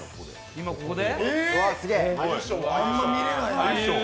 今ここで？